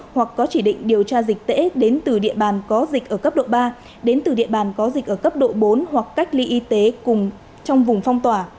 hoặc có chỉ định điều tra dịch tễ đến từ địa bàn có dịch ở cấp độ ba đến từ địa bàn có dịch ở cấp độ bốn hoặc cách ly y tế cùng trong vùng phong tỏa